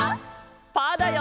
パーだよ！